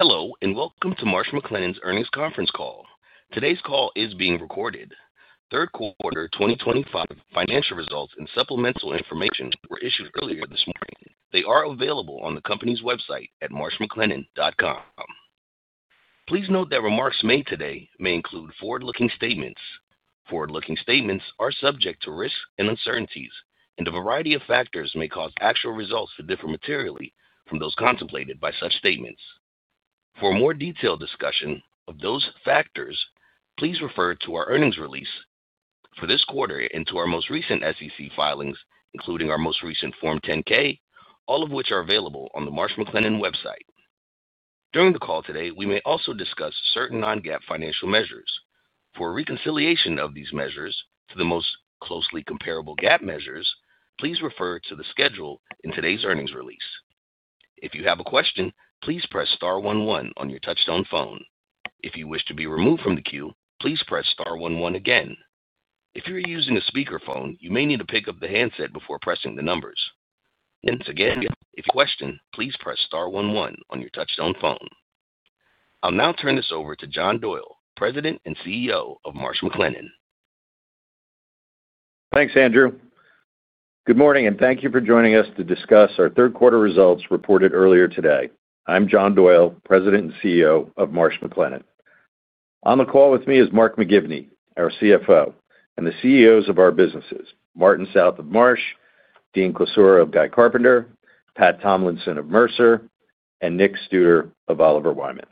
Hello, and welcome to Marsh McLennan's earnings conference call. Today's call is being recorded. Third quarter 2025 financial results and supplemental information were issued earlier this morning. They are available on the company's website at marshmclennan.com. Please note that remarks made today may include forward-looking statements. Forward-looking statements are subject to risks and uncertainties, and a variety of factors may cause actual results to differ materially from those contemplated by such statements. For a more detailed discussion of those factors, please refer to our earnings release for this quarter and to our most recent SEC filings, including our most recent Form 10-K, all of which are available on the Marsh McLennan website. During the call today, we may also discuss certain non-GAAP financial measures. For a reconciliation of these measures to the most closely comparable GAAP measures, please refer to the schedule in today's earnings release. If you have a question, please press star one one on your touch-tone phone. If you wish to be removed from the queue, please press star one one again. If you are using a speaker phone, you may need to pick up the handset before pressing the numbers. Once again, if you have a question, please press star one one on your touch-tone phone. I'll now turn this over to John Q. Doyle, President and CEO of Marsh McLennan. Thanks, Andrew. Good morning, and thank you for joining us to discuss our third quarter results reported earlier today. I'm John Doyle, President and CEO of Marsh McLennan. On the call with me is Mark McGivney, our CFO, and the CEOs of our businesses: Martin South of Marsh, Dean Klisura of Guy Carpenter, Pat Tomlinson of Mercer, and Nick Studer of Oliver Wyman.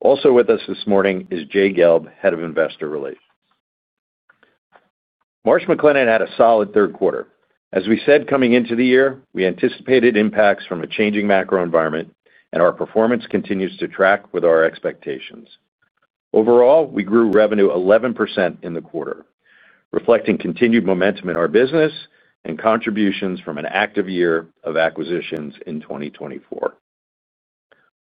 Also with us this morning is Jay Gelb, Head of Investor Relations. Mars McLennan had a solid third quarter. As we said coming into the year, we anticipated impacts from a changing macro environment, and our performance continues to track with our expectations. Overall, we grew revenue 11% in the quarter, reflecting continued momentum in our business and contributions from an active year of acquisitions in 2024.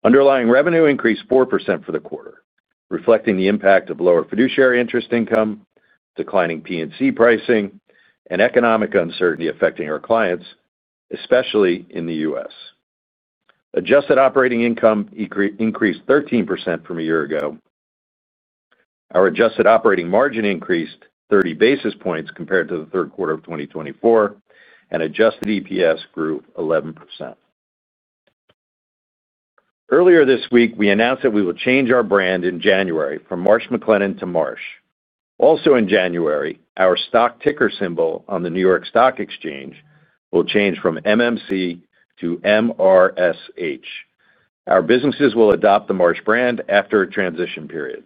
Underlying revenue increased 4% for the quarter, reflecting the impact of lower fiduciary interest income, declining P&C pricing, and economic uncertainty affecting our clients, especially in the U.S. Adjusted operating income increased 13% from a year ago. Our adjusted operating margin increased 30 basis points compared to the third quarter of 2024, and adjusted EPS grew 11%. Earlier this week, we announced that we will change our brand in January from Marsh McLennan to Marsh. Also in January, our stock ticker symbol on the New York Stock Exchange will change from MMC to MRSH. Our businesses will adopt the Marsh brand after a transition period.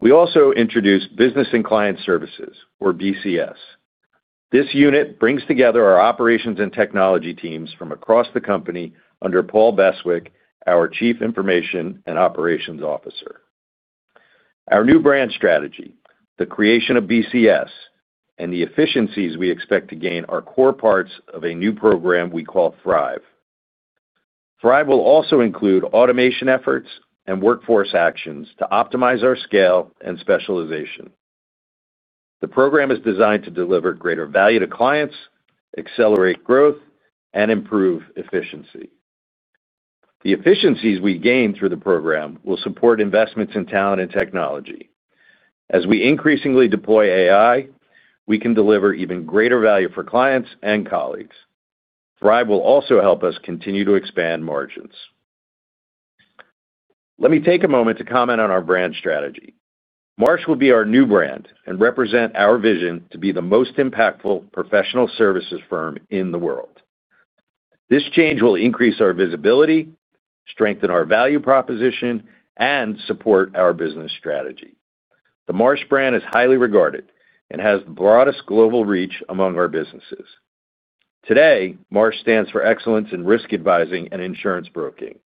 We also introduced Business and Client Services, or BCS. This unit brings together our operations and technology teams from across the company under Paul Beswick, our Chief Information and Operations Officer. Our new brand strategy, the creation of BCS, and the efficiencies we expect to gain are core parts of a new program we call Thrive. Thrive will also include automation efforts and workforce actions to optimize our scale and specialization. The program is designed to deliver greater value to clients, accelerate growth, and improve efficiency. The efficiencies we gain through the program will support investments in talent and technology. As we increasingly deploy AI, we can deliver even greater value for clients and colleagues. Thrive will also help us continue to expand margins. Let me take a moment to comment on our brand strategy. Marsh will be our new brand and represent our vision to be the most impactful professional services firm in the world. This change will increase our visibility, strengthen our value proposition, and support our business strategy. The Marsh brand is highly regarded and has the broadest global reach among our businesses. Today, Marsh stands for excellence in risk advising and insurance broking.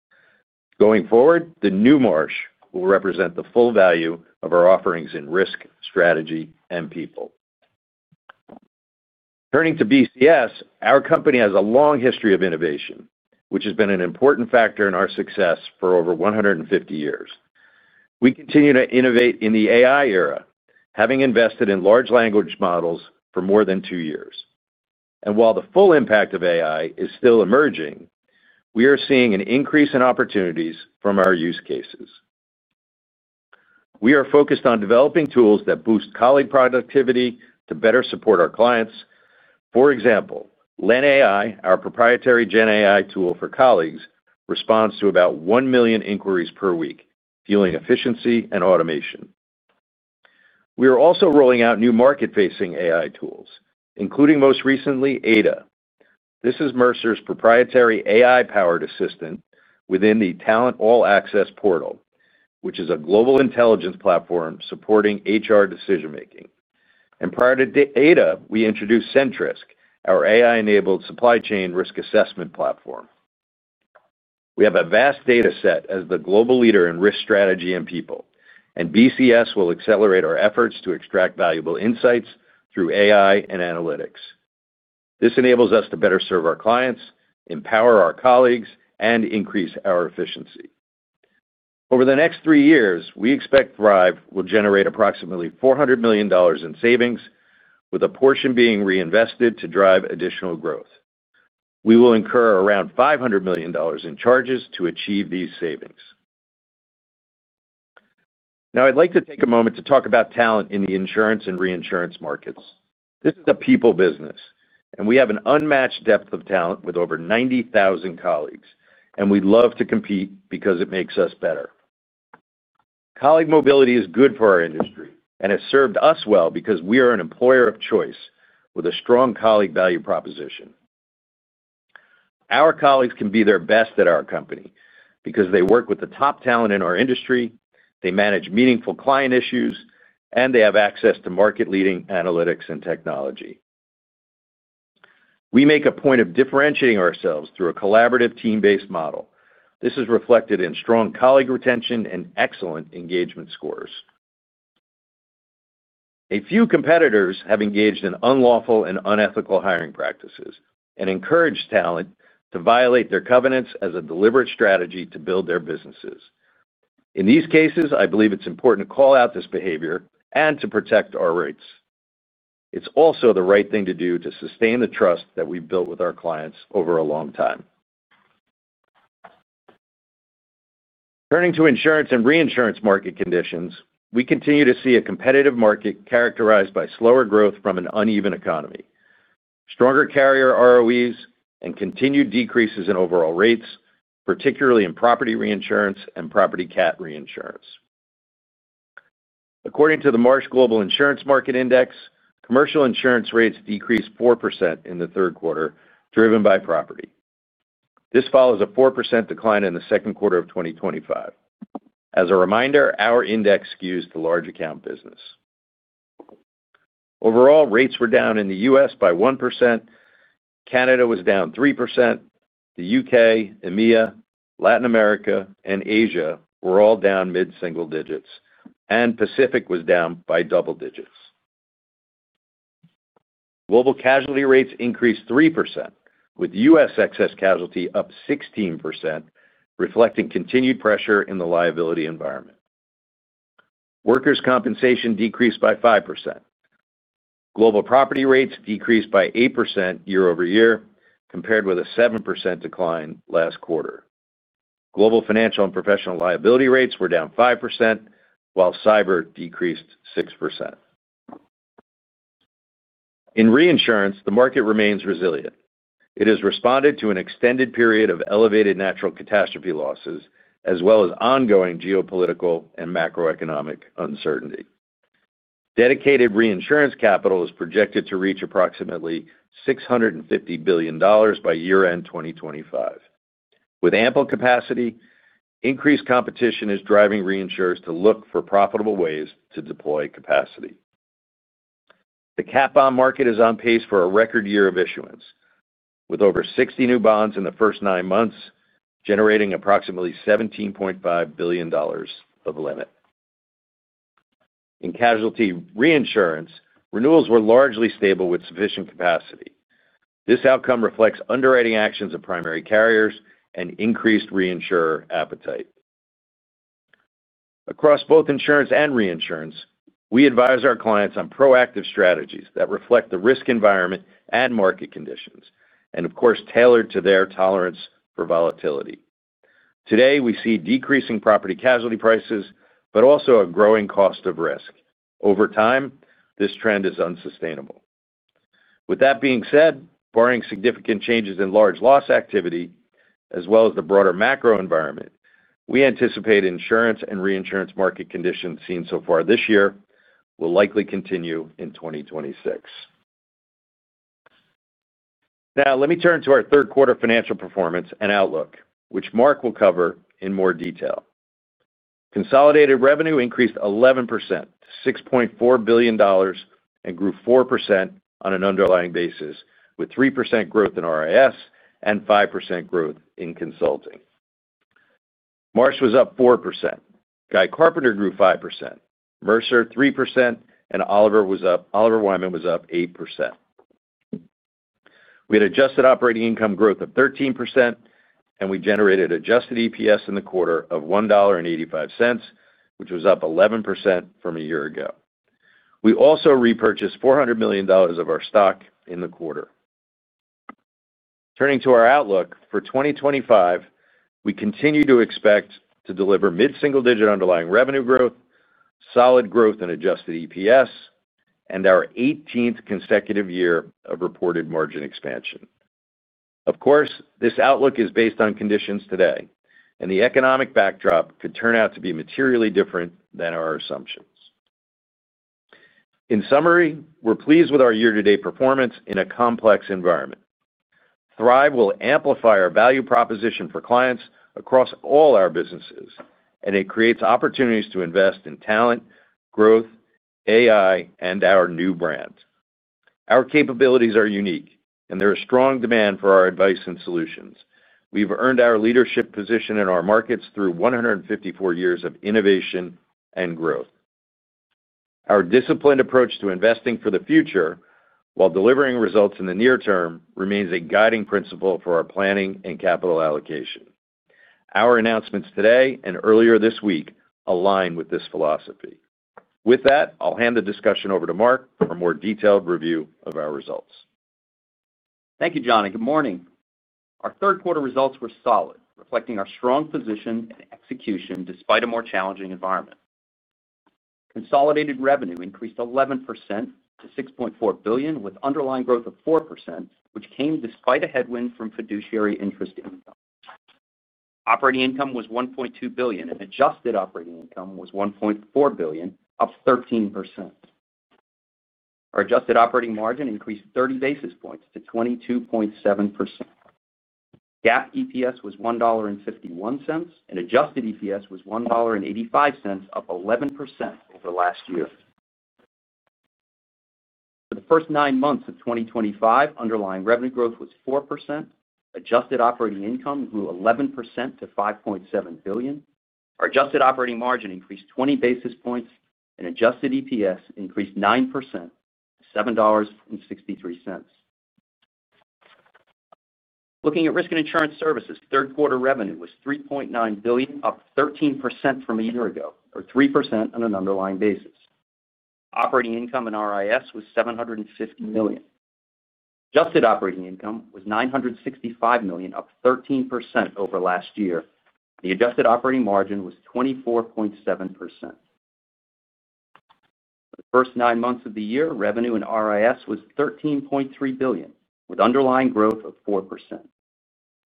Going forward, the new Marsh will represent the full value of our offerings in risk, strategy, and people. Turning to BCS, our company has a long history of innovation, which has been an important factor in our success for over 150 years. We continue to innovate in the AI era, having invested in large language models for more than two years. While the full impact of AI is still emerging, we are seeing an increase in opportunities from our use cases. We are focused on developing tools that boost colleague productivity to better support our clients. For example, LenAI, our proprietary GenAI tool for colleagues, responds to about 1 million inquiries per week, fueling efficiency and automation. We are also rolling out new market-facing AI tools, including most recently Aida. This is Mercer's proprietary AI-powered assistant within the Talent All Access portal, which is a global intelligence platform supporting HR decision-making. Prior to Aida, we introduced Sentrisk, our AI-enabled supply chain risk assessment platform. We have a vast data set as the global leader in risk, strategy, and people, and BCS will accelerate our efforts to extract valuable insights through AI and analytics. This enables us to better serve our clients, empower our colleagues, and increase our efficiency. Over the next three years, we expect Thrive will generate approximately $400 million in savings, with a portion being reinvested to drive additional growth. We will incur around $500 million in charges to achieve these savings. Now, I'd like to take a moment to talk about talent in the insurance and reinsurance markets. This is a people business, and we have an unmatched depth of talent with over 90,000 colleagues, and we'd love to compete because it makes us better. Colleague mobility is good for our industry and has served us well because we are an employer of choice with a strong colleague value proposition. Our colleagues can be their best at our company because they work with the top talent in our industry, they manage meaningful client issues, and they have access to market-leading analytics and technology. We make a point of differentiating ourselves through a collaborative team-based model. This is reflected in strong colleague retention and excellent engagement scores. A few competitors have engaged in unlawful and unethical hiring practices and encouraged talent to violate their covenants as a deliberate strategy to build their businesses. In these cases, I believe it's important to call out this behavior and to protect our rights. It's also the right thing to do to sustain the trust that we've built with our clients over a long time. Turning to insurance and reinsurance market conditions, we continue to see a competitive market characterized by slower growth from an uneven economy, stronger carrier ROEs, and continued decreases in overall rates, particularly in property reinsurance and property CAT reinsurance. According to the Marsh Global Insurance Market Index, commercial insurance rates decreased 4% in the third quarter, driven by property. This follows a 4% decline in the second quarter of 2025. As a reminder, our index skews the large account business. Overall, rates were down in the U.S. by 1%. Canada was down 3%. The U.K., EMEA, Latin America, and Asia were all down mid-single digits, and Pacific was down by double digits. Global casualty rates increased 3%, with U.S. excess casualty up 16%, reflecting continued pressure in the liability environment. Workers' compensation decreased by 5%. Global property rates decreased by 8% year-over-year, compared with a 7% decline last quarter. Global financial and professional liability rates were down 5%, while cyber decreased 6%. In reinsurance, the market remains resilient. It has responded to an extended period of elevated natural catastrophe losses, as well as ongoing geopolitical and macroeconomic uncertainty. Dedicated reinsurance capital is projected to reach approximately $650 billion by year-end 2025. With ample capacity, increased competition is driving reinsurers to look for profitable ways to deploy capacity. The cap bond market is on pace for a record year of issuance, with over 60 new bonds in the first nine months generating approximately $17.5 billion of limit. In casualty reinsurance, renewals were largely stable with sufficient capacity. This outcome reflects underwriting actions of primary carriers and increased reinsurer appetite. Across both insurance and reinsurance, we advise our clients on proactive strategies that reflect the risk environment and market conditions, and of course, tailored to their tolerance for volatility. Today, we see decreasing property and casualty prices, but also a growing cost of risk. Over time, this trend is unsustainable. With that being said, barring significant changes in large loss activity, as well as the broader macro environment, we anticipate insurance and reinsurance market conditions seen so far this year will likely continue in 2026. Now, let me turn to our third quarter financial performance and outlook, which Mark will cover in more detail. Consolidated revenue increased 11% to $6.4 billion and grew 4% on an underlying basis, with 3% growth in risk and insurance services and 5% growth in consulting. Marsh was up 4%. Guy Carpenter grew 5%. Mercer, 3%, and Oliver Wyman was up 8%. We had adjusted operating income growth of 13%, and we generated adjusted EPS in the quarter of $1.85, which was up 11% from a year ago. We also repurchased $400 million of our stock in the quarter. Turning to our outlook for 2025, we continue to expect to deliver mid-single-digit underlying revenue growth, solid growth in adjusted EPS, and our 18th consecutive year of reported margin expansion. Of course, this outlook is based on conditions today, and the economic backdrop could turn out to be materially different than our assumptions. In summary, we're pleased with our year-to-date performance in a complex environment. Thrive will amplify our value proposition for clients across all our businesses, and it creates opportunities to invest in talent, growth, AI deployment, and our new brand. Our capabilities are unique, and there is strong demand for our advice and solutions. We've earned our leadership position in our markets through 154 years of innovation and growth. Our disciplined approach to investing for the future, while delivering results in the near term, remains a guiding principle for our planning and capital allocation. Our announcements today and earlier this week align with this philosophy. With that, I'll hand the discussion over to Mark for a more detailed review of our results. Thank you, John, and good morning. Our third quarter results were solid, reflecting our strong position and execution despite a more challenging environment. Consolidated revenue increased 11% to $6.4 billion, with underlying growth of 4%, which came despite a headwind from fiduciary interest income. Operating income was $1.2 billion, and adjusted operating income was $1.4 billion, up 13%. Our adjusted operating margin increased 30 basis points to 22.7%. GAAP EPS was $1.51, and adjusted EPS was $1.85, up 11% over last year. For the first nine months of 2025, underlying revenue growth was 4%. Adjusted operating income grew 11% to $5.7 billion. Our adjusted operating margin increased 20 basis points, and adjusted EPS increased 9% to $7.63. Looking at risk and insurance services, third quarter revenue was $3.9 billion, up 13% from a year ago, or 3% on an underlying basis. Operating income in risk and insurance services was $750 million. Adjusted operating income was $965 million, up 13% over last year, and the adjusted operating margin was 24.7%. For the first nine months of the year, revenue in RIS was $13.3 billion, with underlying growth of 4%.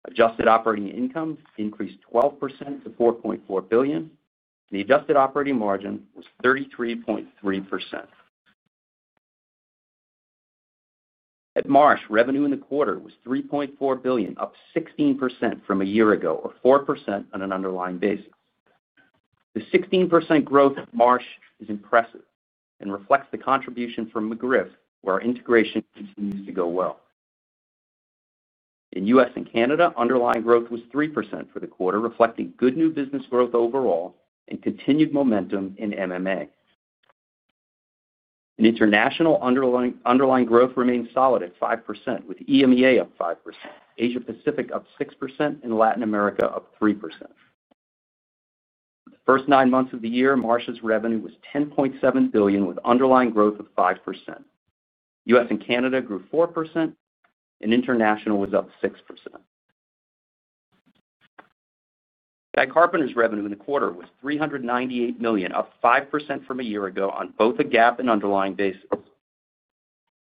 Adjusted operating income increased 12% to $4.4 billion, and the adjusted operating margin was 33.3%. At Marsh, revenue in the quarter was $3.4 billion, up 16% from a year ago, or 4% on an underlying basis. The 16% growth at Marsh is impressive and reflects the contribution from McGriff, where our integration continues to go well. In the U.S. and Canada, underlying growth was 3% for the quarter, reflecting good new business growth overall and continued momentum in MMA. In international, underlying growth remains solid at 5%, with EMEA up 5%, Asia-Pacific up 6%, and Latin America up 3%. For the first nine months of the year, Marsh's revenue was $10.7 billion, with underlying growth of 5%. U.S. and Canada grew 4%, and international was up 6%. Guy Carpenter's revenue in the quarter was $398 million, up 5% from a year ago on both a GAAP and underlying basis.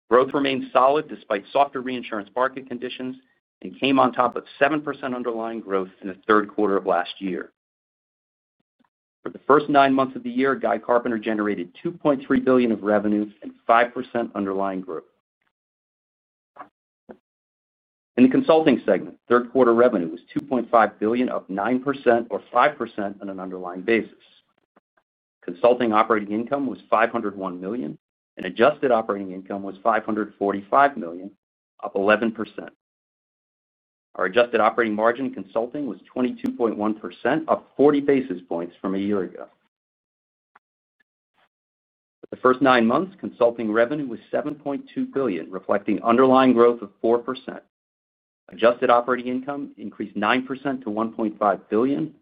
Growth remains solid despite softer reinsurance market conditions and came on top of 7% underlying growth in the third quarter of last year. For the first nine months of the year, Guy Carpenter generated $2.3 billion of revenue and 5% underlying growth. In the consulting segment, third quarter revenue was $2.5 billion, up 9% or 5% on an underlying basis. Consulting operating income was $501 million, and adjusted operating income was $545 million, up 11%. Our adjusted operating margin in consulting was 22.1%, up 40 basis points from a year ago. For the first nine months, consulting revenue was $7.2 billion, reflecting underlying growth of 4%. Adjusted operating income increased 9% to $1.5 billion,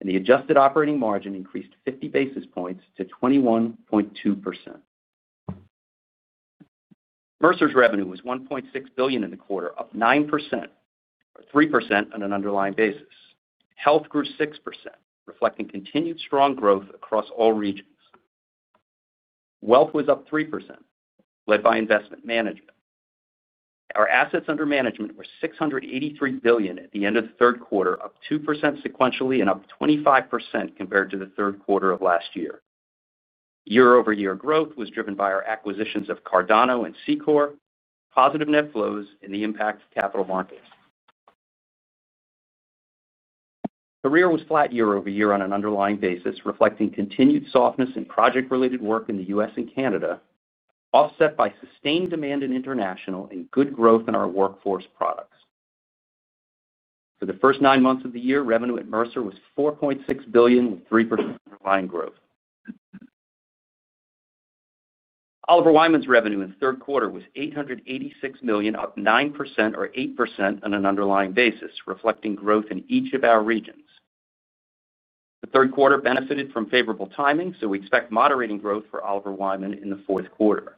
and the adjusted operating margin increased 50 basis points to 21.2%. Mercer's revenue was $1.6 billion in the quarter, up 9% or 3% on an underlying basis. Health grew 6%, reflecting continued strong growth across all regions. Wealth was up 3%, led by investment management. Our assets under management were $683 billion at the end of the third quarter, up 2% sequentially and up 25% compared to the third quarter of last year. Year-over-year growth was driven by our acquisitions of Cardano and SECOR, positive net flows, and the impact of capital markets. Career was flat year-over-year on an underlying basis, reflecting continued softness in project-related work in the U.S. and Canada, offset by sustained demand in international and good growth in our workforce products. For the first nine months of the year, revenue at Mercer was $4.6 billion, with 3% underlying growth. Oliver Wyman's revenue in the third quarter was $886 million, up 9% or 8% on an underlying basis, reflecting growth in each of our regions. The third quarter benefited from favorable timing, so we expect moderating growth for Oliver Wyman in the fourth quarter.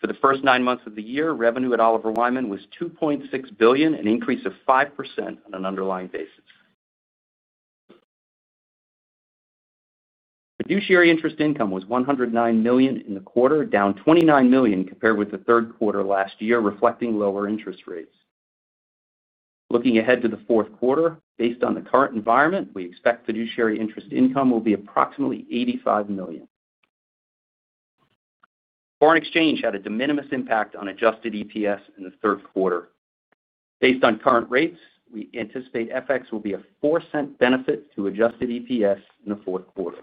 For the first nine months of the year, revenue at Oliver Wyman was $2.6 billion, an increase of 5% on an underlying basis. Fiduciary interest income was $109 million in the quarter, down $29 million compared with the third quarter last year, reflecting lower interest rates. Looking ahead to the fourth quarter, based on the current environment, we expect fiduciary interest income will be approximately $85 million. Foreign exchange had a de minimis impact on adjusted EPS in the third quarter. Based on current rates, we anticipate FX will be a $0.04 benefit to adjusted EPS in the fourth quarter.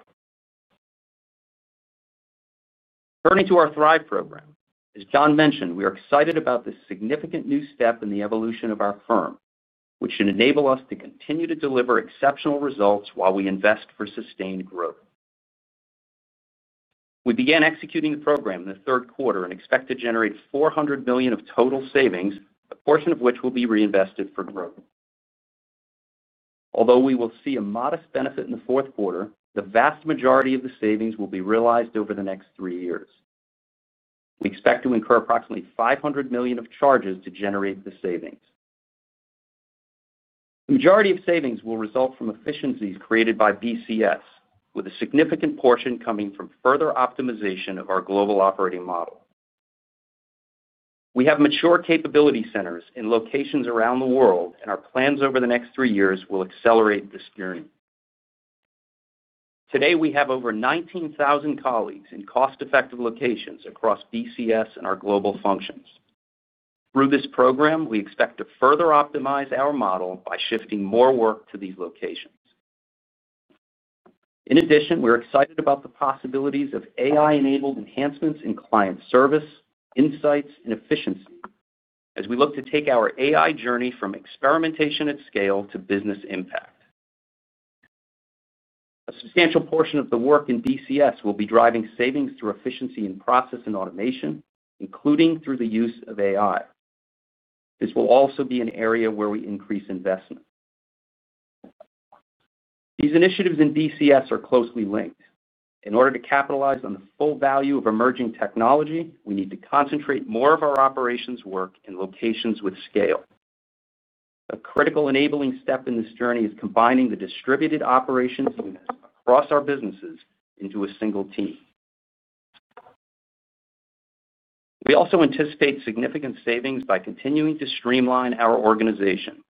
Turning to our Thrive program, as John mentioned, we are excited about this significant new step in the evolution of our firm, which should enable us to continue to deliver exceptional results while we invest for sustained growth. We began executing the program in the third quarter and expect to generate $400 million of total savings, a portion of which will be reinvested for growth. Although we will see a modest benefit in the fourth quarter, the vast majority of the savings will be realized over the next three years. We expect to incur approximately $500 million of charges to generate the savings. The majority of savings will result from efficiencies created by BCS, with a significant portion coming from further optimization of our global operating model. We have mature capability centers in locations around the world, and our plans over the next three years will accelerate this journey. Today, we have over 19,000 colleagues in cost-effective locations across BCS and our global functions. Through this program, we expect to further optimize our model by shifting more work to these locations. In addition, we're excited about the possibilities of AI-enabled enhancements in client service, insights, and efficiency, as we look to take our AI journey from experimentation at scale to business impact. A substantial portion of the work in BCS will be driving savings through efficiency in process and automation, including through the use of AI. This will also be an area where we increase investment. These initiatives in BCS are closely linked. In order to capitalize on the full value of emerging technology, we need to concentrate more of our operations work in locations with scale. A critical enabling step in this journey is combining the distributed operations units across our businesses into a single team. We also anticipate significant savings by continuing to streamline our organization.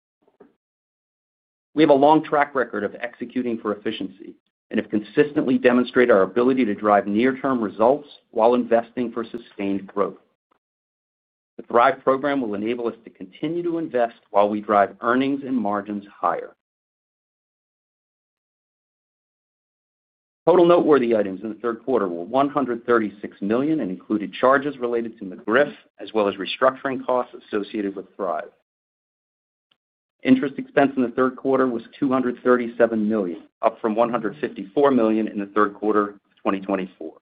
We have a long track record of executing for efficiency and have consistently demonstrated our ability to drive near-term results while investing for sustained growth. The Thrive program will enable us to continue to invest while we drive earnings and margins higher. Total noteworthy items in the third quarter were $136 million and included charges related to McGriff, as well as restructuring costs associated with Thrive. Interest expense in the third quarter was $237 million, up from $154 million in the third quarter of 2024.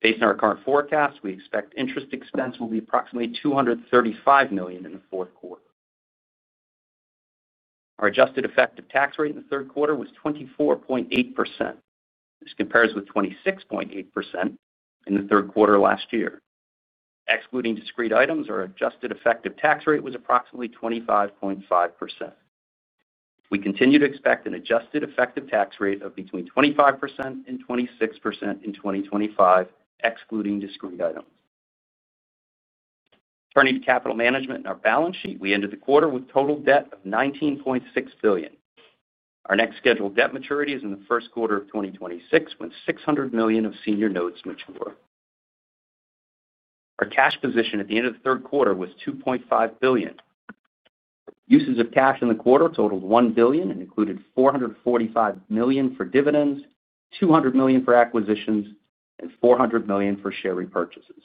Based on our current forecast, we expect interest expense will be approximately $235 million in the fourth quarter. Our adjusted effective tax rate in the third quarter was 24.8%. This compares with 26.8% in the third quarter last year. Excluding discrete items, our adjusted effective tax rate was approximately 25.5%. We continue to expect an adjusted effective tax rate of between 25% and 26% in 2025, excluding discrete items. Turning to capital management and our balance sheet, we ended the quarter with total debt of $19.6 billion. Our next scheduled debt maturity is in the first quarter of 2026, when $600 million of senior notes mature. Our cash position at the end of the third quarter was $2.5 billion. Uses of cash in the quarter totaled $1 billion and included $445 million for dividends, $200 million for acquisitions, and $400 million for share repurchases.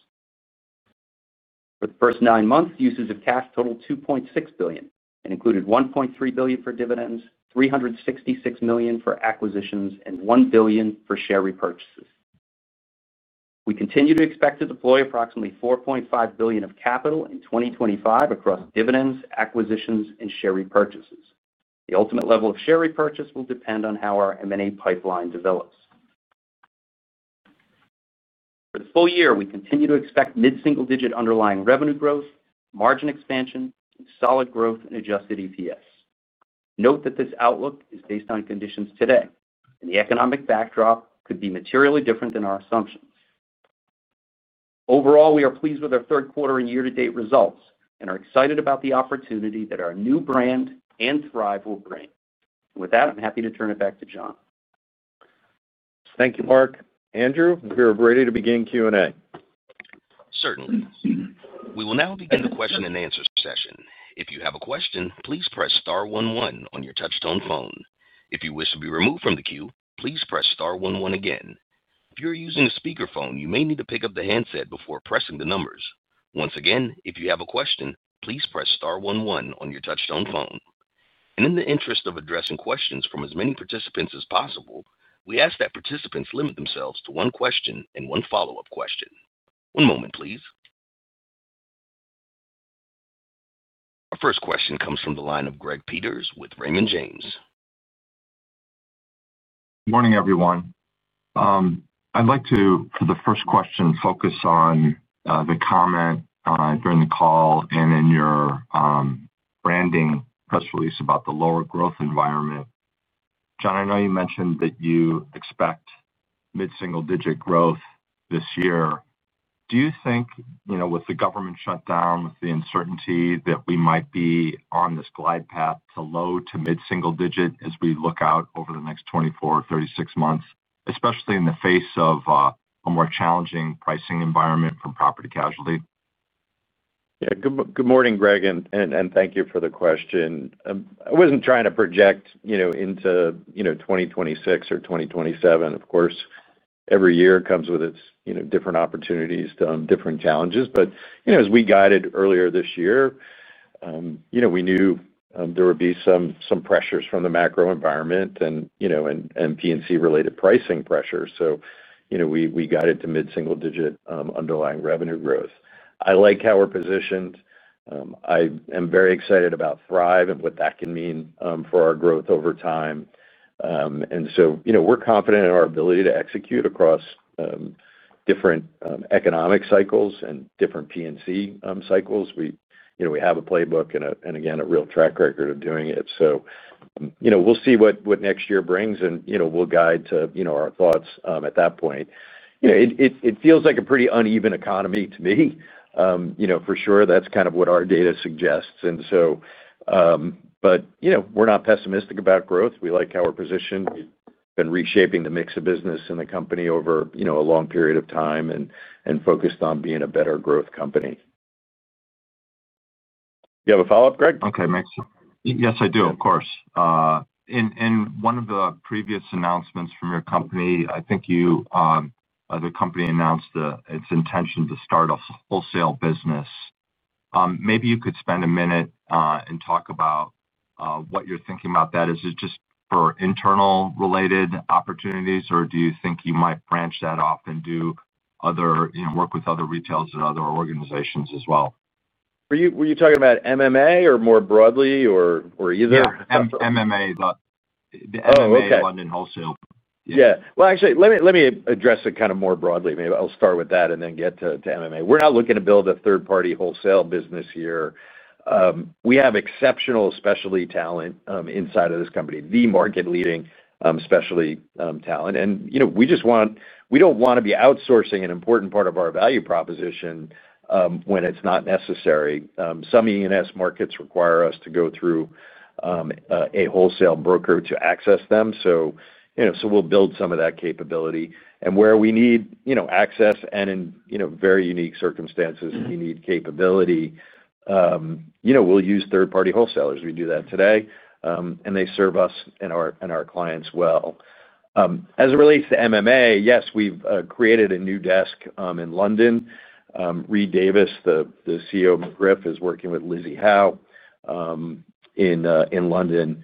For the first nine months, uses of cash totaled $2.6 billion and included $1.3 billion for dividends, $366 million for acquisitions, and $1 billion for share repurchases. We continue to expect to deploy approximately $4.5 billion of capital in 2025 across dividends, acquisitions, and share repurchases. The ultimate level of share repurchase will depend on how our M&A pipeline develops. For the full year, we continue to expect mid-single-digit underlying revenue growth, margin expansion, and solid growth in adjusted EPS. Note that this outlook is based on conditions today, and the economic backdrop could be materially different than our assumptions. Overall, we are pleased with our third quarter and year-to-date results and are excited about the opportunity that our new brand and Thrive will bring. With that, I'm happy to turn it back to John. Thank you, Mark. Andrew, we are ready to begin Q&A. Certainly. We will now begin the question and answer session. If you have a question, please press star one one on your touch-tone phone. If you wish to be removed from the queue, please press star one one again. If you are using a speaker phone, you may need to pick up the handset before pressing the numbers. Once again, if you have a question, please press star one one on your touch-tone phone. In the interest of addressing questions from as many participants as possible, we ask that participants limit themselves to one question and one follow-up question. One moment, please. Our first question comes from the line of Greg Peters with Raymond James. Morning everyone. I'd like to, for the first question, focus on the comment during the call and in your branding press release about the lower growth environment. John, I know you mentioned that you expect mid-single-digit growth this year. Do you think, with the government shutdown, with the uncertainty, that we might be on this glide path to low to mid-single-digit as we look out over the next 24 or 36 months, especially in the face of a more challenging pricing environment from property and casualty? Good morning, Greg, and thank you for the question. I wasn't trying to project into 2026 or 2027. Of course, every year comes with its different opportunities and different challenges. As we guided earlier this year, we knew there would be some pressures from the macro environment and P&C-related pricing pressures. We guided to mid-single-digit underlying revenue growth. I like how we're positioned. I am very excited about Thrive and what that can mean for our growth over time. We're confident in our ability to execute across different economic cycles and different P&C cycles. We have a playbook and, again, a real track record of doing it. We'll see what next year brings, and we'll guide to our thoughts at that point. It feels like a pretty uneven economy to me. For sure, that's kind of what our data suggests. We're not pessimistic about growth. We like how we're positioned. We've been reshaping the mix of business in the company over a long period of time and focused on being a better growth company. Do you have a follow-up, Greg? Okay, yes, I do, of course. In one of the previous announcements from your company, I think the company announced its intention to start a wholesale business. Maybe you could spend a minute and talk about what you're thinking about that. Is it just for internal-related opportunities, or do you think you might branch that off and do other, you know, work with other retailers and other organizations as well? Were you talking about MMA or more broadly or either? Yeah, MMA. MMA is London Wholesale. Let me address it kind of more broadly. Maybe I'll start with that and then get to MMA. We're not looking to build a third-party wholesale business here. We have exceptional specialty talent inside of this company, the market-leading specialty talent. We just want, we don't want to be outsourcing an important part of our value proposition when it's not necessary. Some E&S markets require us to go through a wholesale broker to access them, so we'll build some of that capability. Where we need access and in very unique circumstances, we need capability, we'll use third-party wholesalers. We do that today, and they serve us and our clients well. As it relates to MMA, yes, we've created a new desk in London. Read Davis, the CEO of McGriff, is working with Lizzy Howe in London.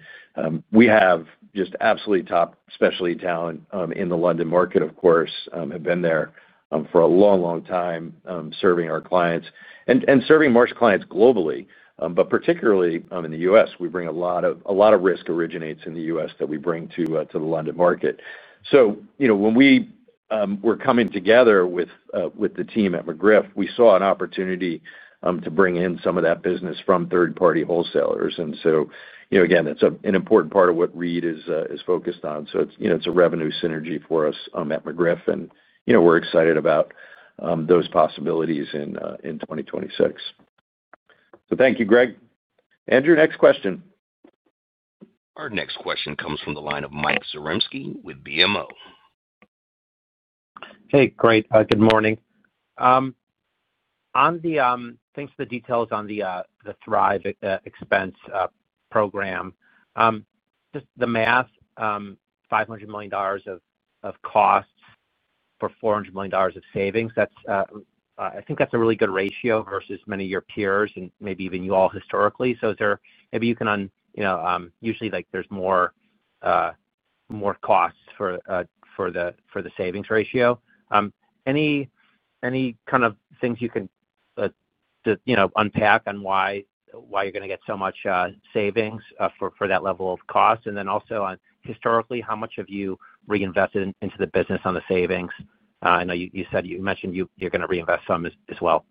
We have just absolutely top specialty talent in the London market, of course, have been there for a long, long time serving our clients and serving Marsh clients globally, but particularly in the U.S. We bring a lot of risk that originates in the U.S. that we bring to the London market. When we were coming together with the team at McGriff, we saw an opportunity to bring in some of that business from third-party wholesalers. Again, that's an important part of what Reed is focused on. It's a revenue synergy for us at McGriff, and we're excited about those possibilities in 2026. Thank you, Greg. Andrew, next question. Our next question comes from the line of Mike Zaremski with BMO. Hey, great. Good morning. Thanks for the details on the Thrive expense program. Just the math, $500 million of costs for $400 million of savings. I think that's a really good ratio versus many of your peers and maybe even you all historically. Is there, maybe you can, you know, usually, like, there's more costs for the savings ratio. Any kind of things you can unpack on why you're going to get so much savings for that level of cost? Also, historically, how much have you reinvested into the business on the savings? I know you said you mentioned you're going to reinvest some as well.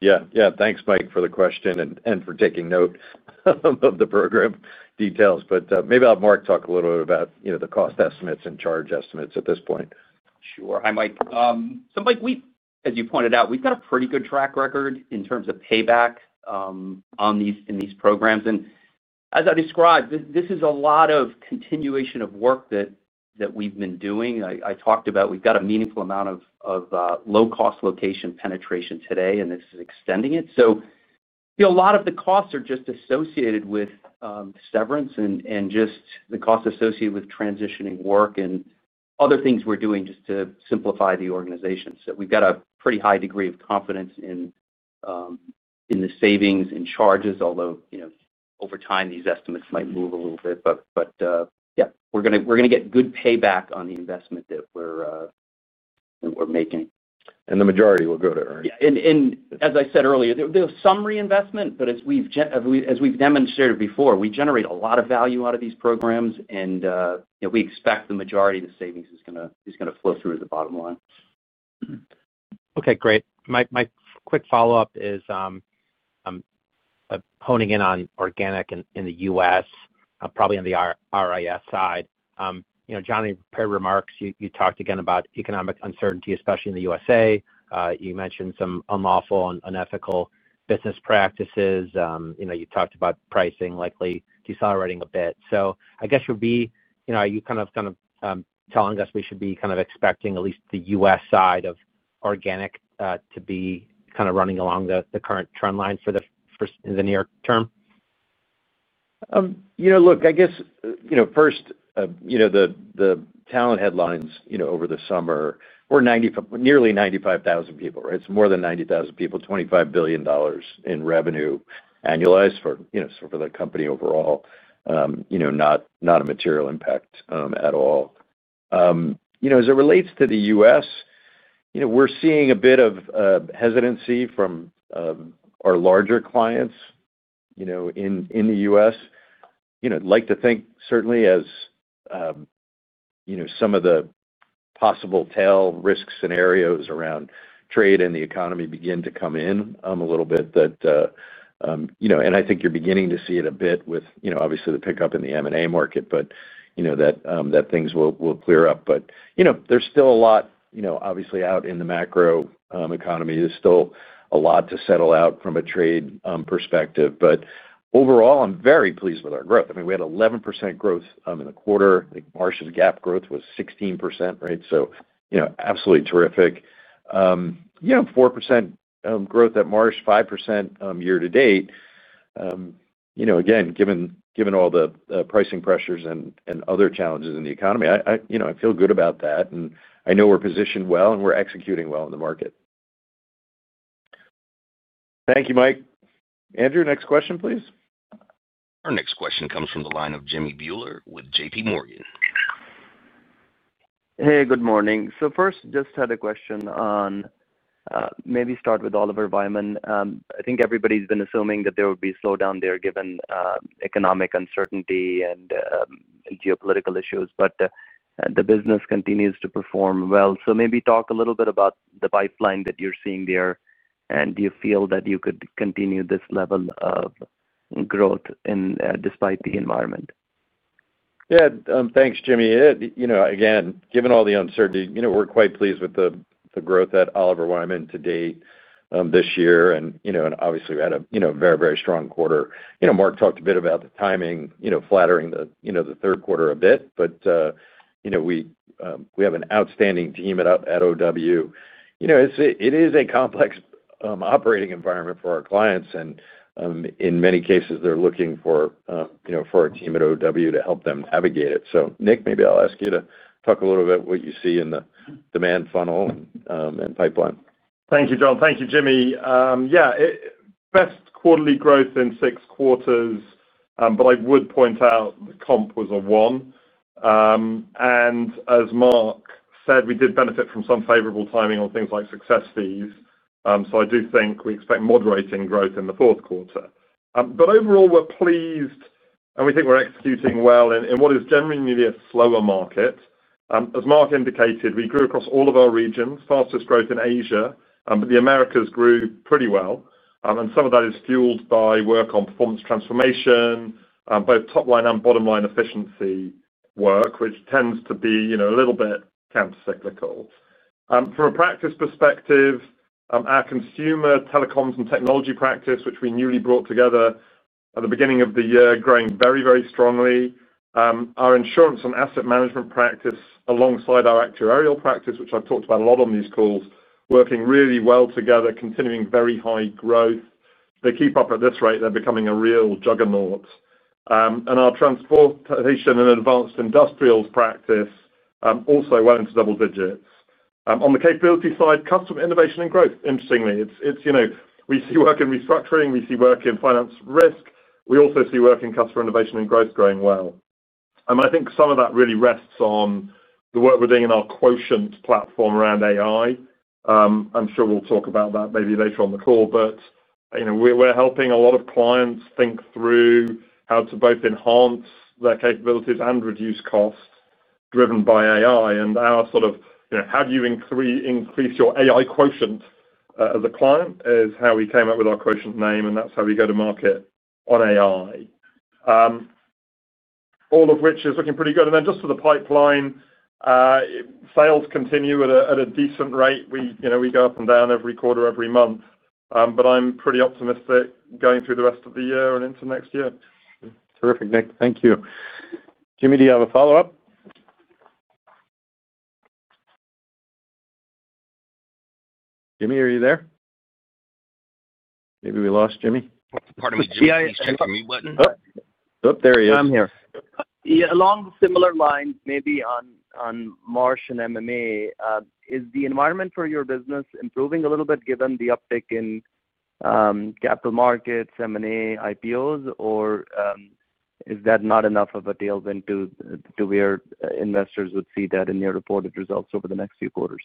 Yeah, yeah. Thanks, Mike, for the question and for taking note of the program details. Maybe I'll have Mark talk a little bit about the cost estimates and charge estimates at this point. Sure. Hi, Mike. As you pointed out, we've got a pretty good track record in terms of payback on these programs. As I described, this is a lot of continuation of work that we've been doing. I talked about we've got a meaningful amount of low-cost location penetration today, and this is extending it. A lot of the costs are just associated with severance and the costs associated with transitioning work and other things we're doing to simplify the organization. We've got a pretty high degree of confidence in the savings and charges, although over time, these estimates might move a little bit. We're going to get good payback on the investment that we're making. The majority will go to earnings. Yeah. As I said earlier, there's some reinvestment, but as we've demonstrated before, we generate a lot of value out of these programs, and we expect the majority of the savings is going to flow through the bottom line. Okay, great. My quick follow-up is honing in on organic in the U.S., probably on the RIS side. John, in your prepared remarks, you talked again about economic uncertainty, especially in the U.S.A. You mentioned some unlawful and unethical business practices. You talked about pricing likely decelerating a bit. I guess, are you kind of telling us we should be expecting at least the U.S. side of organic to be running along the current trend line for the near term? I guess, first, the talent headlines over the summer, we're nearly 95,000 people. It's more than 90,000 people, $25 billion in revenue annualized for the company overall. Not a material impact at all. As it relates to the U.S., we're seeing a bit of hesitancy from our larger clients in the U.S. I like to think certainly as some of the possible tail risk scenarios around trade and the economy begin to come in a little bit. I think you're beginning to see it a bit with the pickup in the M&A market, that things will clear up. There's still a lot, obviously, out in the macro economy. There's still a lot to settle out from a trade perspective. Overall, I'm very pleased with our growth. We had 11% growth in the quarter. I think Marsh's GAAP growth was 16%, right? Absolutely terrific. 4% growth at Marsh, 5% year to date. Again, given all the pricing pressures and other challenges in the economy, I feel good about that. I know we're positioned well, and we're executing well in the market. Thank you, Mike. Andrew, next question, please. Our next question comes from the line of Jimmy Bhullar with JPMorgan. Hey, good morning. First, just had a question on maybe start with Oliver Wyman. I think everybody's been assuming that there would be a slowdown there given economic uncertainty and geopolitical issues. The business continues to perform well. Maybe talk a little bit about the pipeline that you're seeing there, and do you feel that you could continue this level of growth despite the environment? Yeah, thanks, Jimmy. Given all the uncertainty, we're quite pleased with the growth at Oliver Wyman to date this year. Obviously, we had a very, very strong quarter. Mark talked a bit about the timing, flattering the third quarter a bit. We have an outstanding team at OW. It is a complex operating environment for our clients, and in many cases, they're looking for a team at OW to help them navigate it. Nick, maybe I'll ask you to talk a little bit about what you see in the demand funnel and pipeline. Thank you, John. Thank you, Jimmy. Yeah, best quarterly growth in six quarters. I would point out the comp was a one, and as Mark said, we did benefit from some favorable timing on things like success fees. I do think we expect moderating growth in the fourth quarter. Overall, we're pleased, and we think we're executing well in what is generally a slower market. As Mark indicated, we grew across all of our regions, fastest growth in Asia, but the Americas grew pretty well. Some of that is fueled by work on performance transformation, both top-line and bottom-line efficiency work, which tends to be a little bit kind of cyclical. From a practice perspective, our consumer telecoms and technology practice, which we newly brought together at the beginning of the year, is growing very, very strongly. Our insurance and asset management practice, alongside our actuarial practice, which I've talked about a lot on these calls, is working really well together, continuing very high growth. They keep up at this rate. They're becoming a real juggernaut. Our transportation and advanced industrials practice also went into double digits. On the capability side, customer innovation and growth, interestingly, we see work in restructuring. We see work in finance risk. We also see work in customer innovation and growth growing well. I think some of that really rests on the work we're doing in our Quotient platform around AI. I'm sure we'll talk about that maybe later on the call. We're helping a lot of clients think through how to both enhance their capabilities and reduce costs driven by AI. Our sort of, you know, how do you increase your AI Quotient as a client is how we came up with our Quotient name, and that's how we go to market on AI, all of which is looking pretty good. For the pipeline, sales continue at a decent rate. We go up and down every quarter, every month. I'm pretty optimistic going through the rest of the year and into next year. Terrific, Nick. Thank you. Jimmy, do you have a follow-up? Jimmy, are you there? Maybe we lost Jimmy. Pardon me, Jimmy Bhullar. Oh, there he is. I'm here. Yeah, along similar lines, maybe on Marsh and MMA, is the environment for your business improving a little bit given the uptick in capital markets, M&A, IPOs, or is that not enough of a tailwind to where investors would see that in your reported results over the next few quarters?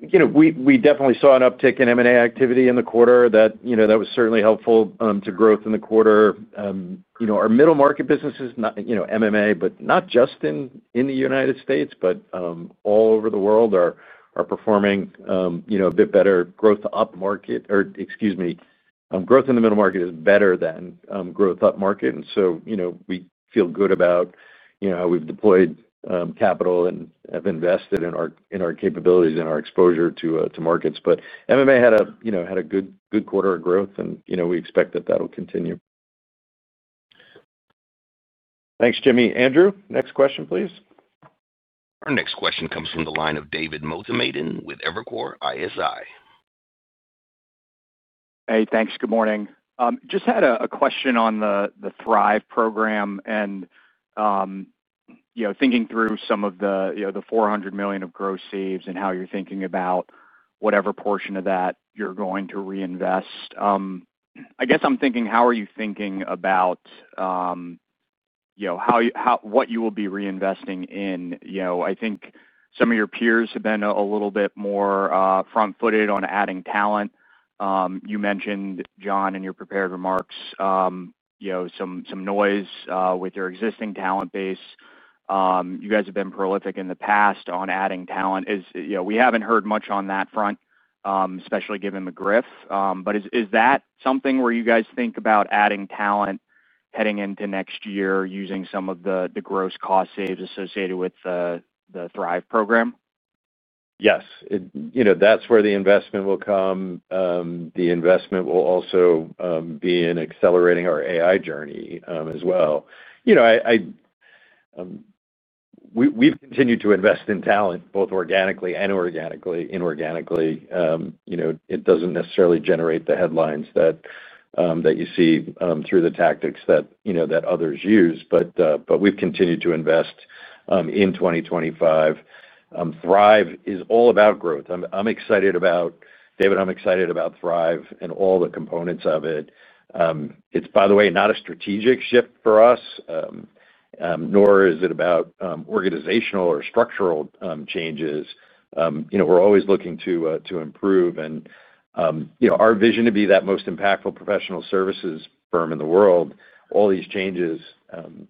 We definitely saw an uptick in M&A activity in the quarter. That was certainly helpful to growth in the quarter. Our middle market businesses, MMA, not just in the U.S. but all over the world, are performing a bit better. Growth in the middle market is better than growth up market. We feel good about how we've deployed capital and have invested in our capabilities and our exposure to markets. MMA had a good quarter of growth, and we expect that that'll continue. Thanks, Jimmy. Andrew, next question, please. Our next question comes from the line of David Motemaden with Evercore ISI. Hey, thanks. Good morning. Just had a question on the Thrive program and, you know, thinking through some of the $400 million of gross saves and how you're thinking about whatever portion of that you're going to reinvest. I guess I'm thinking, how are you thinking about, you know, how what you will be reinvesting in? I think some of your peers have been a little bit more front-footed on adding talent. You mentioned, John, in your prepared remarks, some noise with your existing talent base. You guys have been prolific in the past on adding talent. We haven't heard much on that front, especially given McGriff. Is that something where you guys think about adding talent heading into next year, using some of the gross cost saves associated with the Thrive program? Yes. That's where the investment will come. The investment will also be in accelerating our AI journey as well. We've continued to invest in talent, both organically and inorganically. It doesn't necessarily generate the headlines that you see through the tactics that others use. We've continued to invest in 2025. Thrive is all about growth. I'm excited about, David, I'm excited about Thrive and all the components of it. It's, by the way, not a strategic shift for us, nor is it about organizational or structural changes. We're always looking to improve. Our vision to be that most impactful professional services firm in the world, all these changes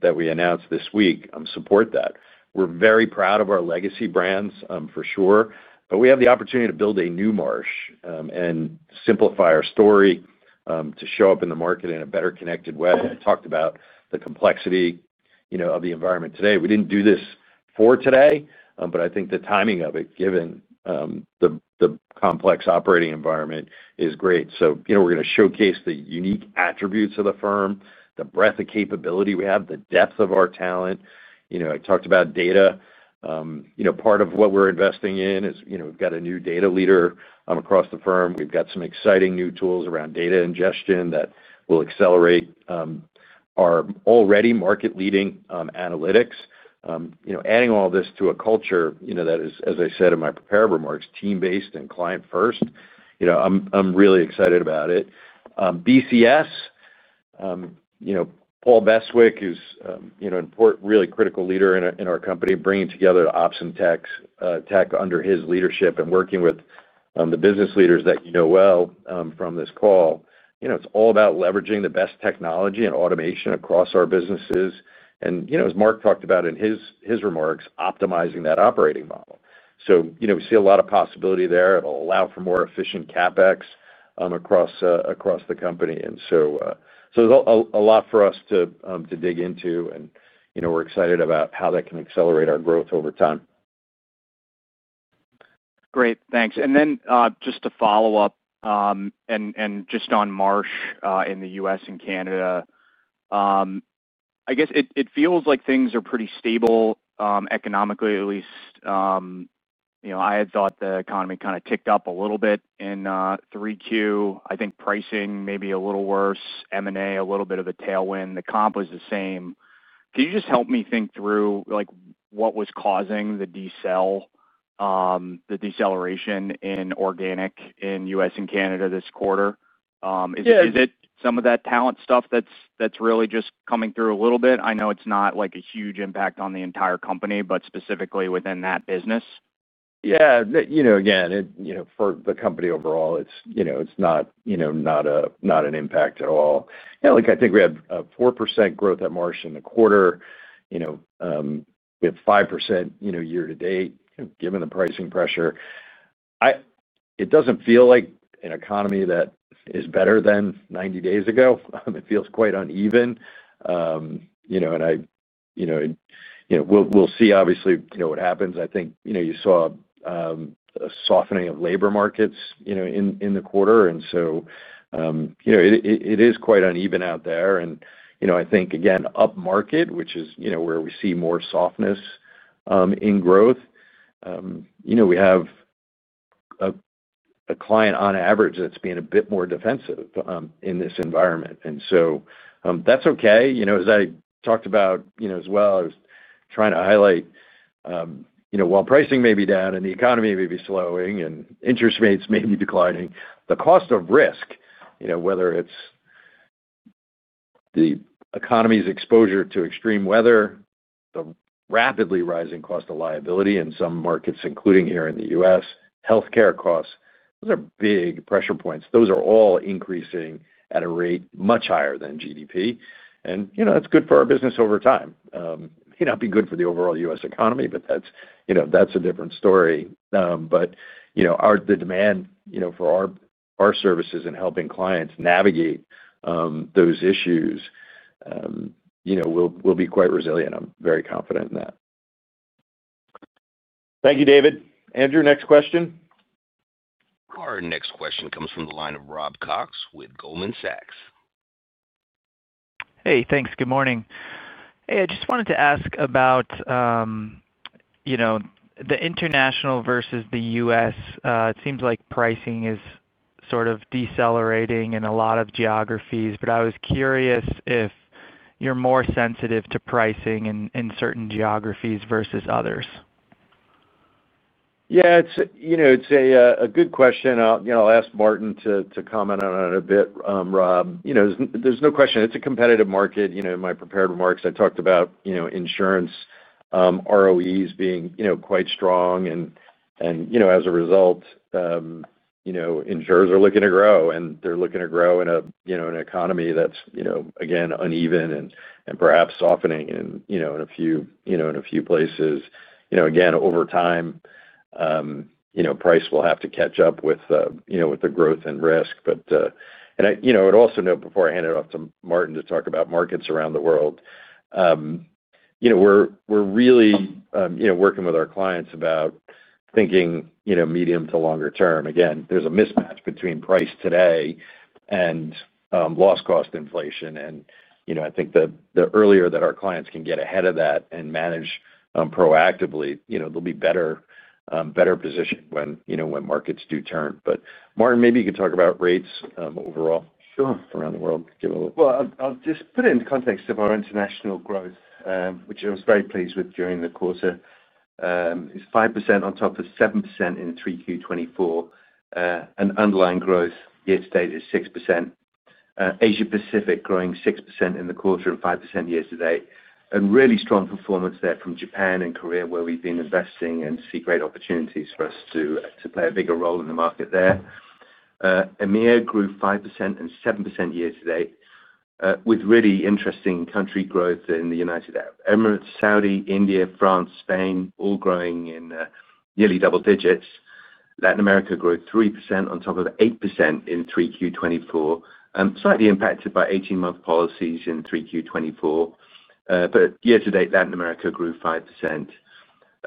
that we announced this week support that. We're very proud of our legacy brands for sure, but we have the opportunity to build a new Marsh and simplify our story to show up in the market in a better connected way. I talked about the complexity of the environment today. We didn't do this for today, but I think the timing of it, given the complex operating environment, is great. We're going to showcase the unique attributes of the firm, the breadth of capability we have, the depth of our talent. I talked about data. Part of what we're investing in is we've got a new data leader across the firm. We've got some exciting new tools around data ingestion that will accelerate our already market-leading analytics. Adding all this to a culture that is, as I said in my prepared remarks, team-based and client-first. I'm really excited about it. BCS, Paul Beswick is a really critical leader in our company, bringing together ops and tech under his leadership and working with the business leaders that you know well from this call. It's all about leveraging the best technology and automation across our businesses. As Mark talked about in his remarks, optimizing that operating model. We see a lot of possibility there. It'll allow for more efficient CapEx across the company. There's a lot for us to dig into. We're excited about how that can accelerate our growth over time. Great, thanks. Just to follow up, on Marsh in the U.S. and Canada, it feels like things are pretty stable, economically, at least. I had thought the economy kind of ticked up a little bit in 3Q. I think pricing may be a little worse, M&A a little bit of a tailwind. The comp was the same. Can you help me think through what was causing the deceleration in organic in the U.S. and Canada this quarter? Is it some of that talent stuff that's really just coming through a little bit? I know it's not a huge impact on the entire company, but specifically within that business. Yeah, for the company overall, it's not an impact at all. I think we had a 4% growth at Marsh in the quarter. We have 5% year to date, kind of given the pricing pressure. It doesn't feel like an economy that is better than 90 days ago. It feels quite uneven. We'll see, obviously, what happens. I think you saw a softening of labor markets in the quarter. It is quite uneven out there. I think, again, up market, which is where we see more softness in growth. We have a client on average that's being a bit more defensive in this environment, and that's okay. As I talked about as well, I was trying to highlight, while pricing may be down and the economy may be slowing and interest rates may be declining, the cost of risk, whether it's the economy's exposure to extreme weather, the rapidly rising cost of liability in some markets, including here in the U.S., healthcare costs, those are big pressure points. Those are all increasing at a rate much higher than GDP, and that's good for our business over time. It may not be good for the overall U.S. economy, but that's a different story. The demand for our services and helping clients navigate those issues will be quite resilient. I'm very confident in that. Thank you, David. Andrew, next question. Our next question comes from the line of Rob Cox with Goldman Sachs. Hey, thanks. Good morning. I just wanted to ask about the international versus the U.S. It seems like pricing is sort of decelerating in a lot of geographies, but I was curious if you're more sensitive to pricing in certain geographies versus others. Yeah, it's a good question. I'll ask Martin to comment on it a bit, Rob. There's no question. It's a competitive market. In my prepared remarks, I talked about insurance ROEs being quite strong. As a result, insurers are looking to grow, and they're looking to grow in an economy that's, again, uneven and perhaps softening in a few places. Over time, price will have to catch up with the growth and risk. I'd also note before I hand it off to Martin to talk about markets around the world, we're really working with our clients about thinking medium to longer term. Again, there's a mismatch between price today and loss cost inflation. I think the earlier that our clients can get ahead of that and manage proactively, they'll be better positioned when markets do turn. Martin, maybe you could talk about rates overall. Sure. Around the world. I'll just put it into context of our international growth, which I was very pleased with during the quarter. It's 5% on top of 7% in Q3 2024, and underlying growth year to date is 6%. Asia-Pacific growing 6% in the quarter and 5% year to date. Really strong performance there from Japan and Korea, where we've been investing and see great opportunities for us to play a bigger role in the market there. EMEA grew 5% and 7% year to date, with really interesting country growth in the United Arab Emirates, Saudi, India, France, Spain, all growing in nearly double digits. Latin America grew 3% on top of 8% in Q3 2024, slightly impacted by 18-month policies in Q3 2024, but year to date, Latin America grew 5%.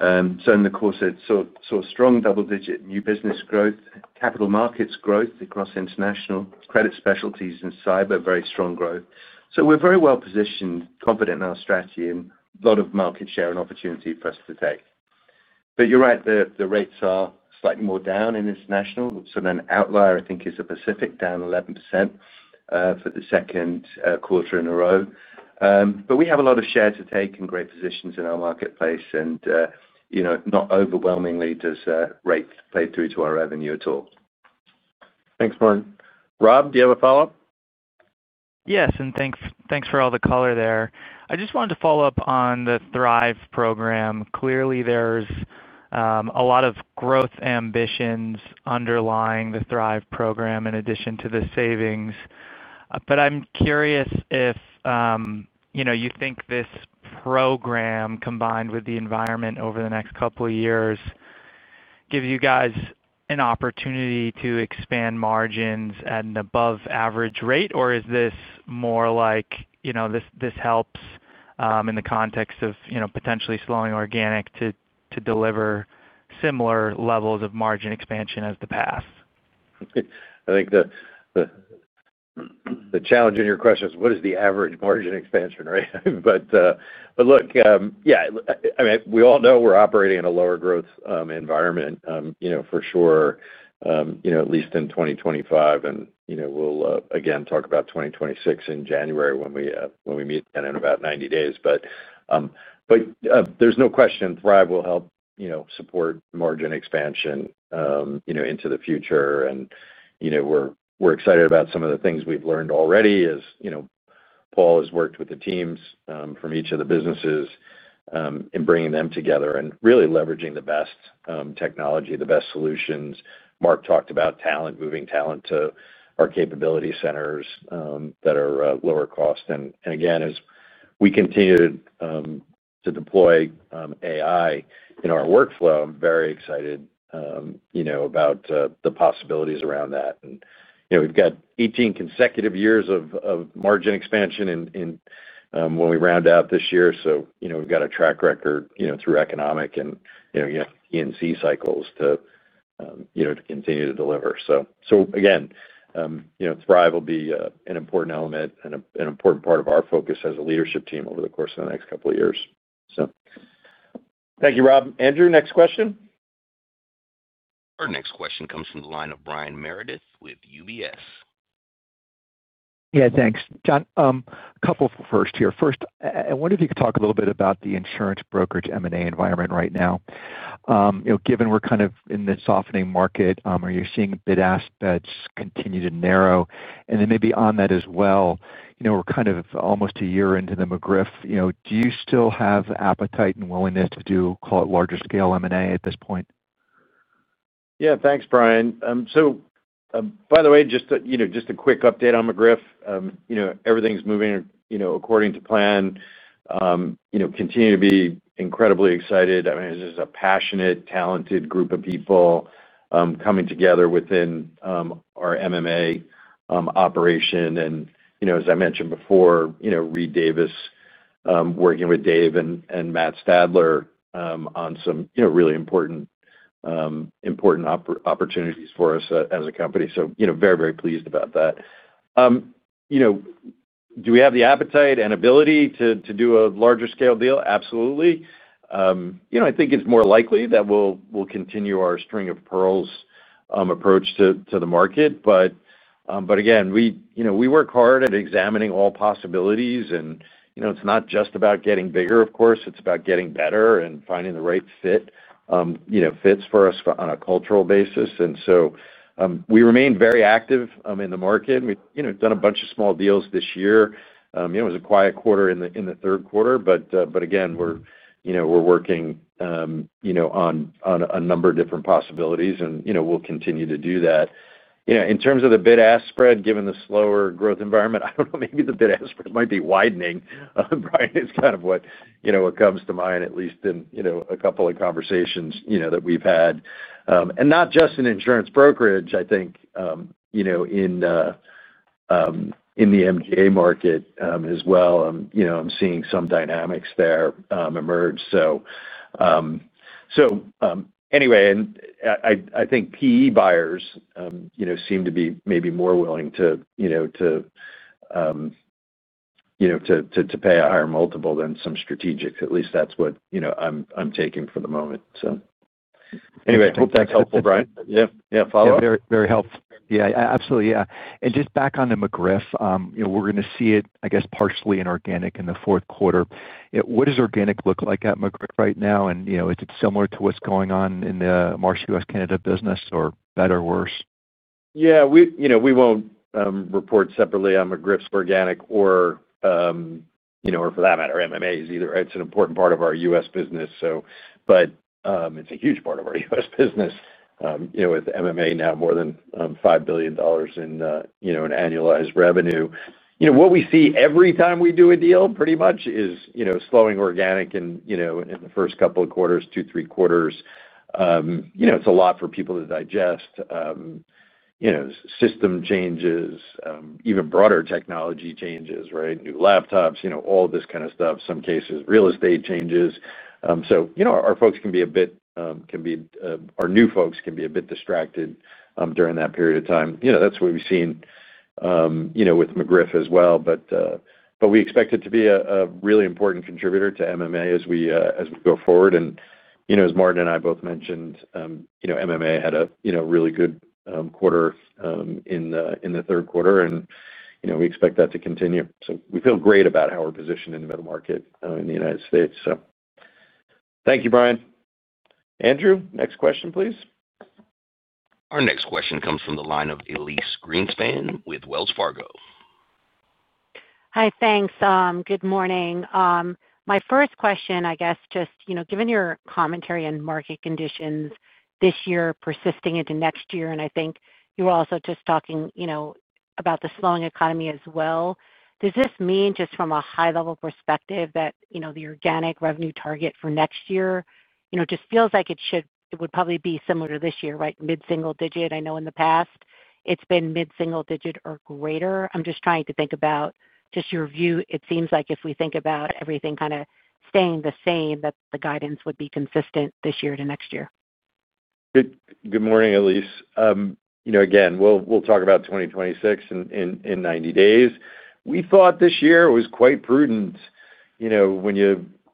In the quarter, it saw strong double-digit new business growth, capital markets growth across international credit specialties and cyber, very strong growth. We're very well positioned, confident in our strategy, and a lot of market share and opportunity for us to take. You're right, the rates are slightly more down in international. The outlier, I think, is the Pacific, down 11% for the second quarter in a row, but we have a lot of share to take and great positions in our marketplace. You know, not overwhelmingly does rate play through to our revenue at all. Thanks, Martin. Rob, do you have a follow-up? Yes, and thanks for all the color there. I just wanted to follow up on the Thrive program. Clearly, there's a lot of growth ambitions underlying the Thrive program in addition to the savings. I'm curious if you think this program, combined with the environment over the next couple of years, gives you guys an opportunity to expand margins at an above-average rate, or is this more like this helps in the context of potentially slowing organic to deliver similar levels of margin expansion as the past? I think the challenge in your question is what is the average margin expansion, right? Look, I mean, we all know we're operating in a lower growth environment, for sure, at least in 2025. We'll again talk about 2026 in January when we meet again in about 90 days. There's no question Thrive will help support margin expansion into the future. We're excited about some of the things we've learned already as Paul has worked with the teams from each of the businesses in bringing them together and really leveraging the best technology, the best solutions. Mark talked about talent, moving talent to our capability centers that are lower cost. As we continue to deploy AI in our workflow, I'm very excited about the possibilities around that. We've got 18 consecutive years of margin expansion when we round out this year. We've got a track record through economic and E&C cycles to continue to deliver. Thrive will be an important element and an important part of our focus as a leadership team over the course of the next couple of years. Thank you, Rob. Andrew, next question. Our next question comes from the line of Brian Meredith with UBS. Yeah, thanks. John, a couple first here. First, I wonder if you could talk a little bit about the insurance brokerage M&A environment right now. Given we're kind of in the softening market, are you seeing bid-ask bets continue to narrow? Maybe on that as well, we're kind of almost a year into the McGriff. Do you still have appetite and willingness to do, call it, larger scale M&A at this point? Yeah, thanks, Brian. By the way, just a quick update on McGriff. Everything's moving according to plan. I continue to be incredibly excited. I mean, it's just a passionate, talented group of people coming together within our M&A operation. As I mentioned before, Read Davis is working with Dave and Matt Stadler on some really important opportunities for us as a company. I'm very, very pleased about that. Do we have the appetite and ability to do a larger scale deal? Absolutely. I think it's more likely that we'll continue our string of pearls approach to the market. We work hard at examining all possibilities. It's not just about getting bigger, of course. It's about getting better and finding the right fit, fits for us on a cultural basis. We remain very active in the market. We've done a bunch of small deals this year. It was a quiet quarter in the third quarter. We're working on a number of different possibilities, and we'll continue to do that. In terms of the bid-ask spread, given the slower growth environment, I don't know, maybe the bid-ask spread might be widening, Brian. It's kind of what comes to mind, at least in a couple of conversations that we've had. Not just in insurance brokerage, I think in the MGA market as well. I'm seeing some dynamics there emerge. I think PE buyers seem to be maybe more willing to pay a higher multiple than some strategics. At least that's what I'm taking for the moment. I hope that's helpful, Brian. Yeah, yeah, follow up. Yeah, very, very helpful. Absolutely. Just back on the McGriff, you know, we're going to see it, I guess, partially in organic in the fourth quarter. What does organic look like at McGriff right now? Is it similar to what's going on in the Marsh U.S. Canada business, or better or worse? Yeah, we won't report separately on McGriff's organic or, for that matter, MMA's either, right? It's an important part of our U.S. business. It's a huge part of our U.S. business, with MMA now more than $5 billion in annualized revenue. What we see every time we do a deal, pretty much, is slowing organic in the first couple of quarters, two, three quarters. It's a lot for people to digest. System changes, even broader technology changes, right? New laptops, all this kind of stuff. In some cases, real estate changes. Our folks can be, our new folks can be a bit distracted during that period of time. That's what we've seen with McGriff as well. We expect it to be a really important contributor to MMA as we go forward. As Martin and I both mentioned, MMA had a really good quarter in the third quarter, and we expect that to continue. We feel great about how we're positioned in the middle market in the United States. Thank you, Brian. Andrew, next question, please. Our next question comes from the line of Elyse Greenspan with Wells Fargo. Hi, thanks. Good morning. My first question, I guess, just given your commentary on market conditions this year persisting into next year, and I think you were also just talking about the slowing economy as well, does this mean just from a high-level perspective that the organic revenue target for next year just feels like it should, it would probably be similar to this year, right? Mid-single digit. I know in the past it's been mid-single digit or greater. I'm just trying to think about your view. It seems like if we think about everything kind of staying the same, that the guidance would be consistent this year to next year. Good morning, Elyse. We'll talk about 2026 in 90 days. We thought this year was quite prudent. When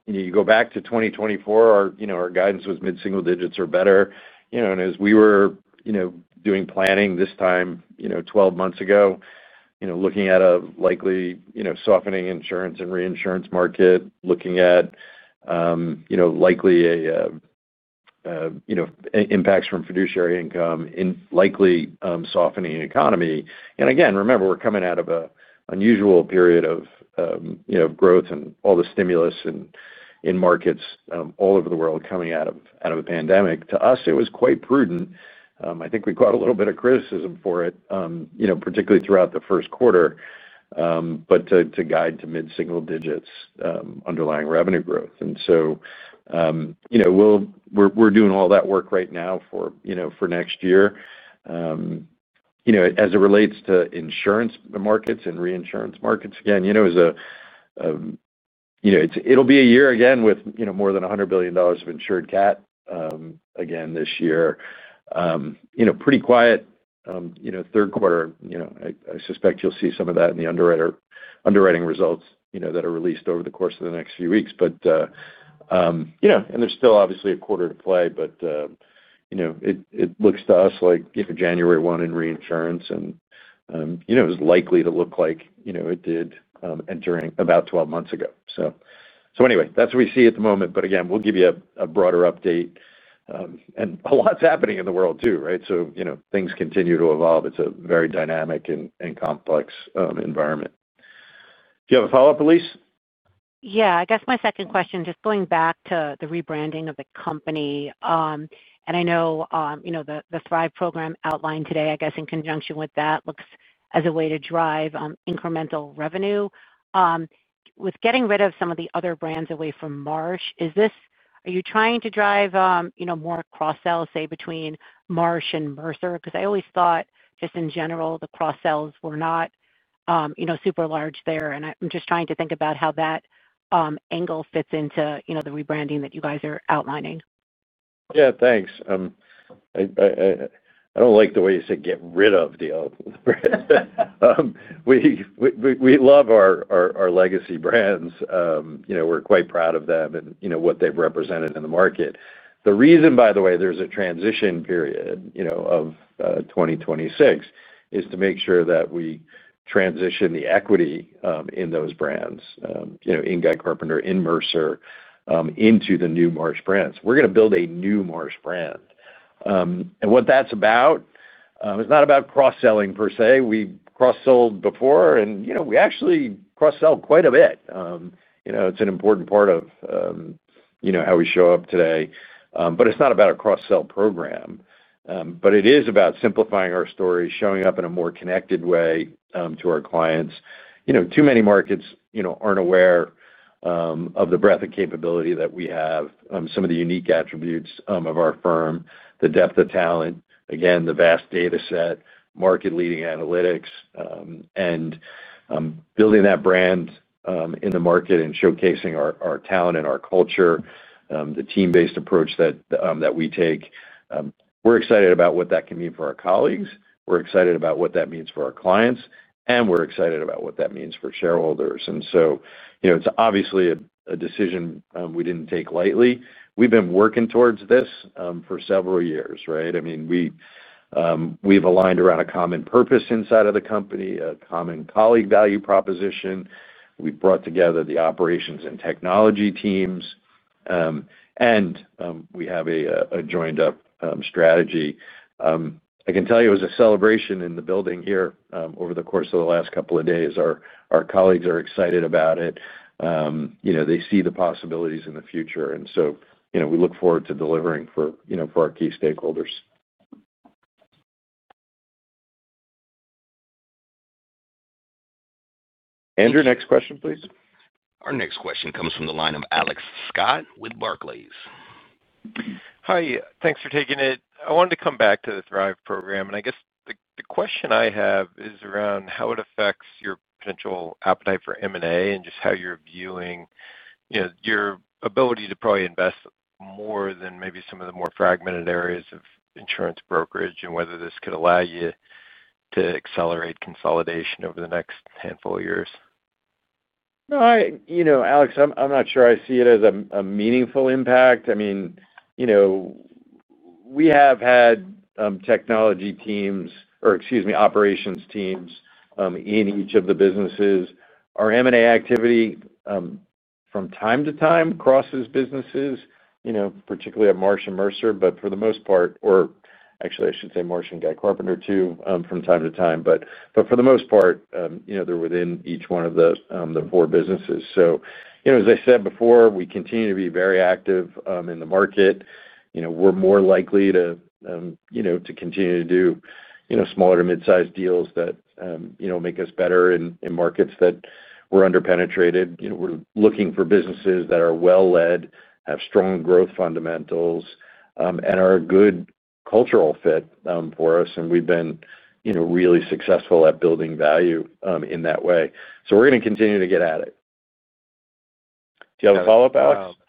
you go back to 2024, our guidance was mid-single digits or better. As we were doing planning this time 12 months ago, looking at a likely softening insurance and reinsurance market, looking at likely impacts from fiduciary interest income in likely softening the economy. Remember, we're coming out of an unusual period of growth and all the stimulus in markets all over the world coming out of a pandemic. To us, it was quite prudent. I think we caught a little bit of criticism for it, particularly throughout the first quarter, but to guide to mid-single digits underlying revenue growth. We're doing all that work right now for next year. As it relates to insurance markets and reinsurance markets, it'll be a year again with more than $100 billion of insured CAT again this year. Pretty quiet third quarter. I suspect you'll see some of that in the underwriting results that are released over the course of the next few weeks. There's still obviously a quarter to play, but it looks to us like January 1 in reinsurance was likely to look like it did entering about 12 months ago. That's what we see at the moment. We'll give you a broader update. A lot's happening in the world too, right? Things continue to evolve. It's a very dynamic and complex environment. Do you have a follow-up, Elyse? Yeah, I guess my second question, just going back to the rebranding of the company. I know the Thrive program outlined today, I guess, in conjunction with that, looks as a way to drive incremental revenue. With getting rid of some of the other brands away from Marsh, is this, are you trying to drive more cross-sell, say, between Marsh and Mercer? Because I always thought just in general, the cross-sells were not super large there. I'm just trying to think about how that angle fits into the rebranding that you guys are outlining. Yeah, thanks. I don't like the way you said get rid of the other. We love our legacy brands. We're quite proud of them and what they've represented in the market. The reason, by the way, there's a transition period of 2026 is to make sure that we transition the equity in those brands, in Guy Carpenter, in Mercer, into the new Marsh brands. We're going to build a new Marsh brand. What that's about is not about cross-selling per se. We cross-sold before, and we actually cross-sell quite a bit. It's an important part of how we show up today. It's not about a cross-sell program. It is about simplifying our story, showing up in a more connected way to our clients. Too many markets aren't aware of the breadth of capability that we have, some of the unique attributes of our firm, the depth of talent, the vast data set, market-leading analytics, and building that brand in the market and showcasing our talent and our culture, the team-based approach that we take. We're excited about what that can mean for our colleagues. We're excited about what that means for our clients. We're excited about what that means for shareholders. It's obviously a decision we didn't take lightly. We've been working towards this for several years, right? We've aligned around a common purpose inside of the company, a common colleague value proposition. We've brought together the operations and technology teams. We have a joined-up strategy. I can tell you it was a celebration in the building here over the course of the last couple of days. Our colleagues are excited about it. They see the possibilities in the future. We look forward to delivering for our key stakeholders. Andrew, next question, please. Our next question comes from the line of Alex Scott with Barclays. Hi, thanks for taking it. I wanted to come back to the Thrive program. I guess the question I have is around how it affects your potential appetite for M&A and just how you're viewing your ability to probably invest more than maybe some of the more fragmented areas of insurance brokerage and whether this could allow you to accelerate consolidation over the next handful of years. No, Alex, I'm not sure I see it as a meaningful impact. We have had operations teams in each of the businesses. Our M&A activity, from time to time, crosses businesses, particularly at Marsh and Mercer, but for the most part, or actually, I should say Marsh and Guy Carpenter too, from time to time. For the most part, they're within each one of the four businesses. As I said before, we continue to be very active in the market. We're more likely to continue to do smaller to midsize deals that make us better in markets that we're underpenetrated. We're looking for businesses that are well-led, have strong growth fundamentals, and are a good cultural fit for us. We've been really successful at building value in that way. We're going to continue to get at it. Do you have a follow-up, Alex?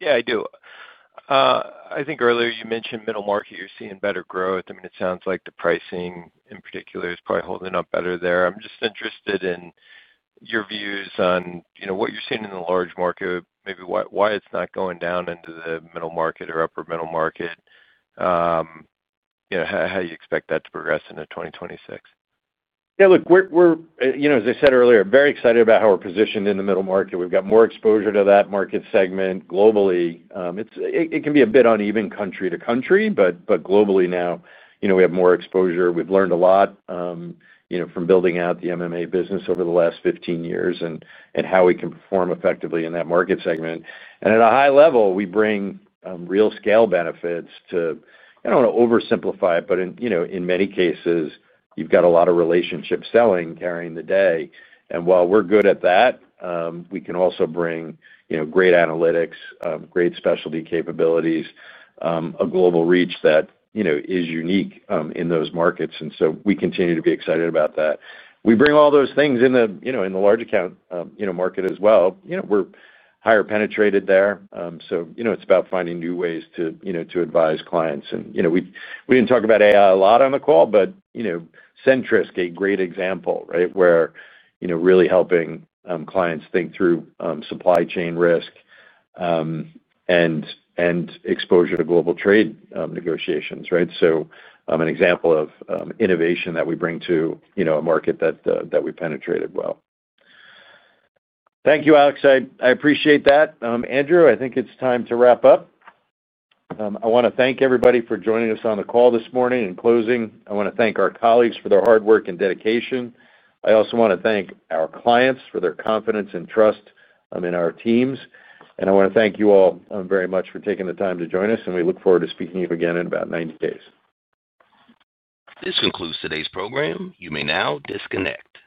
Yeah, I do. I think earlier you mentioned middle market, you're seeing better growth. It sounds like the pricing in particular is probably holding up better there. I'm just interested in your views on what you're seeing in the large market, maybe why it's not going down into the middle market or upper middle market. How do you expect that to progress into 2026? Yeah, look, we're, as I said earlier, very excited about how we're positioned in the middle market. We've got more exposure to that market segment globally. It can be a bit uneven country to country, but globally now, we have more exposure. We've learned a lot from building out the MMA business over the last 15 years and how we can perform effectively in that market segment. At a high level, we bring real scale benefits to, I don't want to oversimplify it, but in many cases, you've got a lot of relationship selling carrying the day. While we're good at that, we can also bring great analytics, great specialty capabilities, a global reach that is unique in those markets. We continue to be excited about that. We bring all those things in the large account market as well. We're higher penetrated there. It's about finding new ways to advise clients. We didn't talk about AI a lot on the call, but Sentrisk is a great example, right, where we're really helping clients think through supply chain risk and exposure to global trade negotiations, right? An example of innovation that we bring to a market that we penetrated well. Thank you, Alex. I appreciate that. Andrew, I think it's time to wrap up. I want to thank everybody for joining us on the call this morning. In closing, I want to thank our colleagues for their hard work and dedication. I also want to thank our clients for their confidence and trust in our teams. I want to thank you all very much for taking the time to join us. We look forward to speaking to you again in about 90 days. This concludes today's program. You may now disconnect.